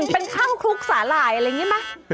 เป็นข้าวคลุกสาหร่ายอะไรอย่างนี้ไหม